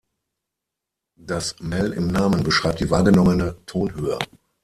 Das Mel im Namen beschreibt die wahrgenommene Tonhöhe.